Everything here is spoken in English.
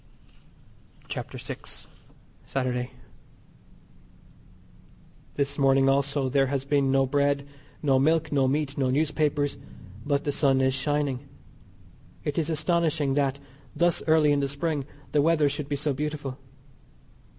CHAPTER VI. SATURDAY. This morning also there has been no bread, no milk, no meat, no newspapers, but the sun is shining. It is astonishing that, thus early in the Spring, the weather should be so beautiful.